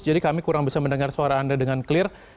jadi kami kurang bisa mendengar suara anda dengan clear